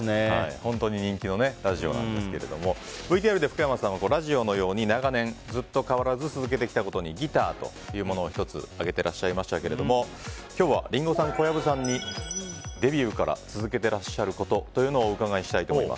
本当人気のラジオなんですけどもＶＴＲで福山さんはラジオのように長年、ずっと変わらず続けてきたことにギターというものを１つ挙げてらっしゃいましたが今日はリンゴさん、小籔さんにデビューから続けていらっしゃることをお伺いしたいと思います。